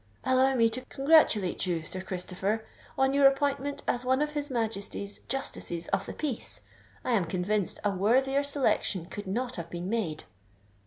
"Allow me to congratulate you, Sir Christopher, on your appointment as one of his Majesty's Justices of the Peace. I am convinced a worthier selection could not have been made."